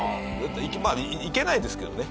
まあ行けないですけどね。